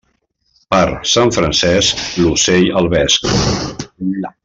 Per Sant Francesc, l'ocell al vesc.